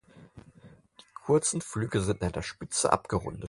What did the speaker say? Die kurzen Flügel sind an der Spitze abgerundet.